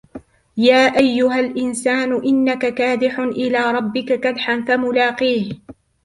يَا أَيُّهَا الْإِنْسَانُ إِنَّكَ كَادِحٌ إِلَى رَبِّكَ كَدْحًا فَمُلَاقِيهِ